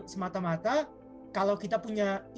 semata mata kalau kita punya